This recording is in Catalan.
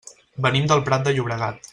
Venim del Prat de Llobregat.